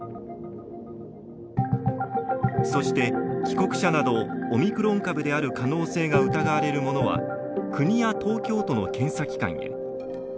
そして帰国者などオミクロン株である可能性が疑われるものは国や東京都の検査機関へ。